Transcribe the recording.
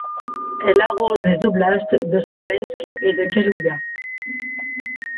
Elle arrose les oblasts de Smolensk et de Kalouga.